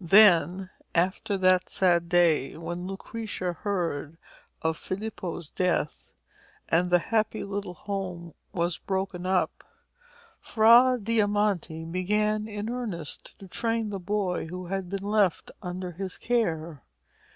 Then, after that sad day when Lucrezia heard of Filippo's death, and the happy little home was broken up, Fra Diamante began in earnest to train the boy who had been left under his care.